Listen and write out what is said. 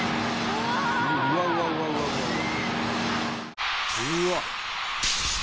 「うわっ！」